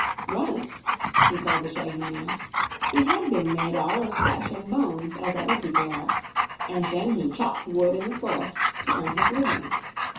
Once, he told the shaggy man, he had been made all of flesh and bones, as other people are, and then he chopped wood in the forests to earn his living.